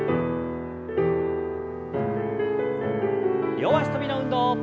両脚跳びの運動。